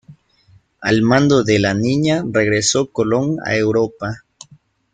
Al mando de la "Niña" regresó Colón a Europa.